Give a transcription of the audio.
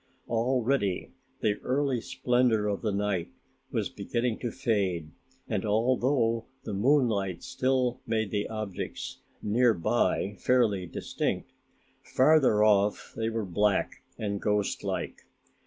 Already the early splendor of the night was beginning to fade and although the moonlight still made the objects near by fairly distinct, farther off they were black and ghostlike.